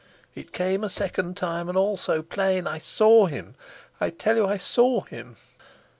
It came a second time, and all so plain. I saw him; I tell you I saw him.